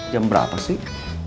jam berapa sih